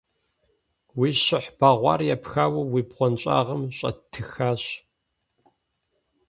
Уи щыхь бэгъуар епхауэ уи бгъуэнщӀагъым щӀэтыххэщ.